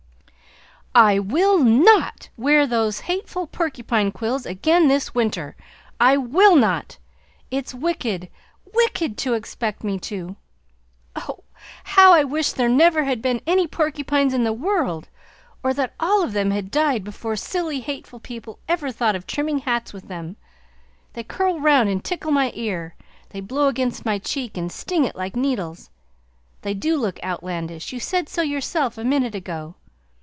"I will NOT wear those hateful porcupine quills again this winter! I will not! It's wicked, WICKED to expect me to! Oh! How I wish there never had been any porcupines in the world, or that all of them had died before silly, hateful people ever thought of trimming hat with them! They curl round and tickle my ear! They blow against my cheek and sting it like needles! They do look outlandish, you said so yourself a minute ago.